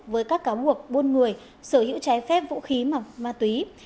với các cáo buộc buôn người sở hữu trái phép vũ khí ma túy